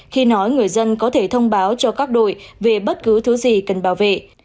khi nói người dân có thể thông báo cho các đội về bất cứ thứ gì cần bảo vệ